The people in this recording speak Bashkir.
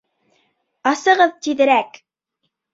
Асығыҙ тиҙерәк!